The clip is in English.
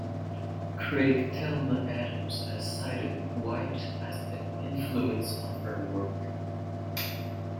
Critic Thelma Adams has cited White as an influence on her work.